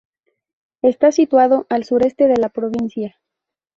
Está situado al sureste de la provincia.